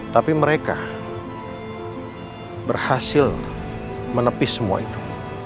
tapi mereka berhasil menepis semua itu